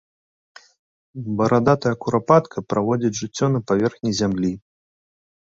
Барадатая курапатка праводзіць жыццё на паверхні зямлі.